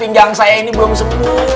pinggang saya ini belum sembuh